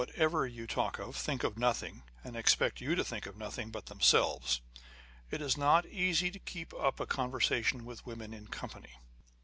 39 ever you talk of, think of nothing, and expect you to think of nothing, but themselves. It is not easy to keep up a conversation with women in company.